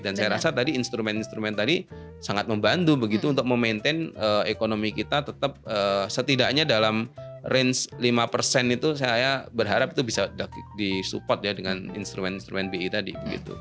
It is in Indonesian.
dan saya rasa tadi instrumen instrumen tadi sangat membantu begitu untuk memaintain ekonomi kita tetap setidaknya dalam range lima itu saya berharap itu bisa di support ya dengan instrumen instrumen bi tadi begitu